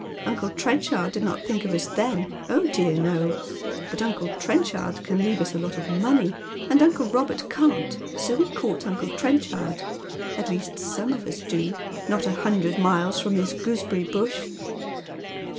Uncle Trenchard did not think of us then, oh dear no. But uncle Trenchard can leave us a lot of money, and uncle Robert can't, so we court imcle Trenchard. At least some of us do — not a hundred miles from this gooseberry bush."